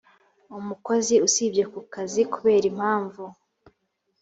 umukozi usibye ku kazi kubera impamvu